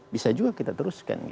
bisa juga kita teruskan